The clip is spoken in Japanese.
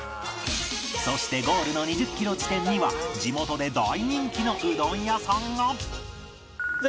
そしてゴールの２０キロ地点には地元で大人気のうどん屋さんが